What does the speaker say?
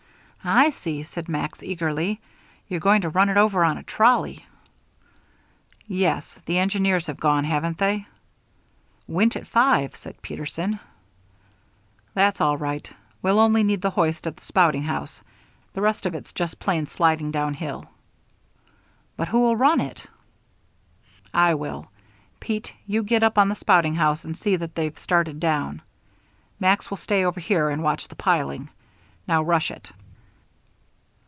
"I see," said Max, eagerly. "You're going to run it over on a trolley." "Yes. The engineers have gone, haven't they?" "Went at five," said Peterson. "That's all right. We'll only need the hoist at the spouting house. The rest of it's just plain sliding down hill." "But who'll run it?" "I will. Pete, you get up on the spouting house and see that they're started down. Max will stay over here and watch the piling. Now rush it."